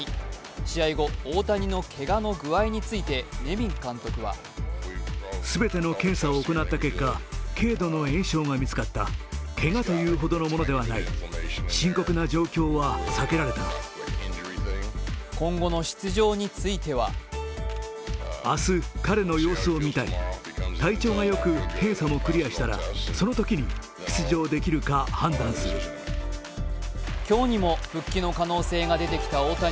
試合後、大谷のけがの具合についてネビン監督は今後の出場については今日にも復帰の可能性が出てきた大谷。